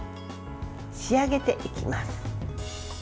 仕上げていきます。